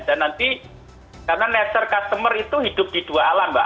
dan nanti karena nature customer itu hidup di dua alam mbak